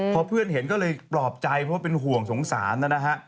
พอเพื่อนเห็นก็เลยปลอบใจเพราะว่าเป็นห่วงสงสารนะฮะ